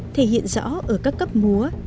thể hiện rõ ở các cấp múa